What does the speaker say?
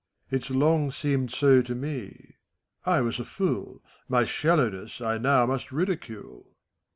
It's long seemed so to me. I was a fool : My shallowness I now must ridicule.